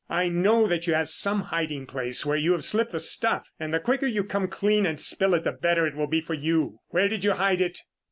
I know that you have some hiding place where you have slipped the stuff and the quicker you come clean and spill it, the better it will be for you. Where did you hide it?"